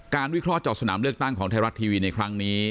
วิเคราะห์จากสนามเลือกตั้งของไทยรัฐทีวีในครั้งนี้